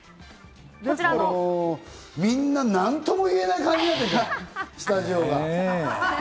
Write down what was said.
みんな、何とも言えない感じになってる、スタジオが。